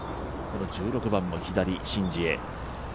１６番も左、シン・ジエ。